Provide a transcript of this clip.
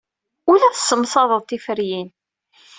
Ur la tessemsaded tiferyin.